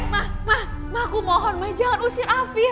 ma ma ma aku mohon ma jangan usir afif